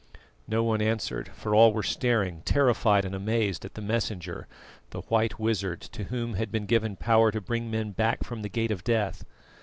No one answered, for all were staring, terrified and amazed, at the Messenger the white wizard to whom had been given power to bring men back from the gate of death.